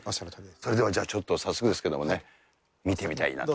それではじゃあ、早速ですけれどもね、見てみたいなと。